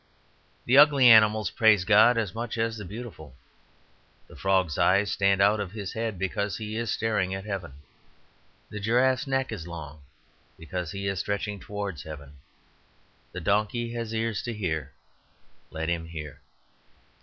The ugly animals praise God as much as the beautiful. The frog's eyes stand out of his head because he is staring at heaven. The giraffe's neck is long because he is stretching towards heaven. The donkey has ears to hear let him hear."